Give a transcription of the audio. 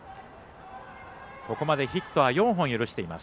ここまでヒットは４本許しています。